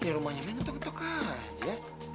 kok ini rumahnya ngetuk ngetuk aja